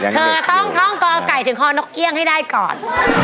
เธอต้องท่องกอไก่ถึงคอนกเอี่ยงให้ได้ก่อน